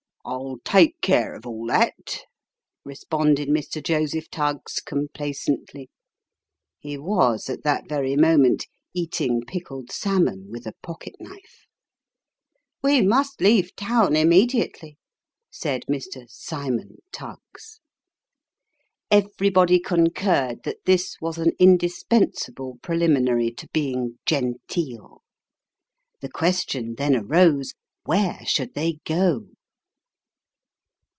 "I'll take care of all that," responded Mr. Joseph Tuggs, com placently. Ho was, at that very moment, eating pickled salmon with a pocket knife. " We must leave town immediately," said Mr. Cymon Tuggs. Everybody concurred that this was an indispensable preliminary to being genteel. The question then arose, Where should they go